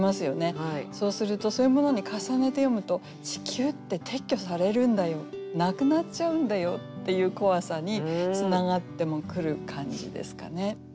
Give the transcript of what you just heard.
そうするとそういうものに重ねて読むと地球って撤去されるんだよなくなっちゃうんだよっていう怖さにつながってもくる感じですかね。